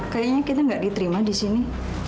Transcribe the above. kayaknya kita nggak diterima di sini